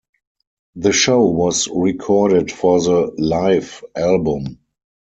The show was recorded for the "Live" album.